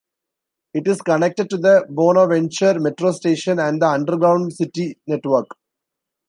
It is connected to the Bonaventure metro station and the underground city network.